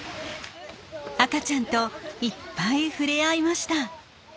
赤ちゃんといっぱい触れ合いました。